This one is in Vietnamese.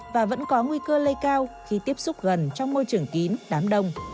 và vẫn có nguy cơ lây cao khi tiếp xúc gần trong môi trường kín đám đông